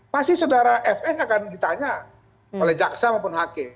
pasti saudara fs akan ditanya oleh jaksa maupun hakim